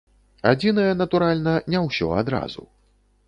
Адзінае, натуральна, не ўсё адразу.